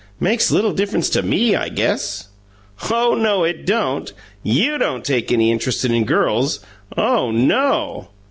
"Makes little difference to ME, I guess!" "Oh no, it don't. YOU don't take any interest in girls! OH no!"